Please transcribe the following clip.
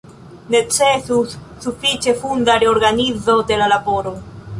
Necesus sufiĉe funda reorganizo de la laboro.